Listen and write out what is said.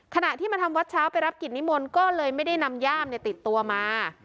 ขณะที่มาทำวัดเช้าไปรับกิจนิมนต์ก็เลยไม่ได้นำย่ามติดตัวมา